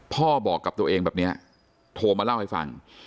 บอกกับตัวเองแบบนี้โทรมาเล่าให้ฟัง